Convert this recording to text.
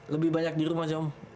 lebih banyak di rumah sih om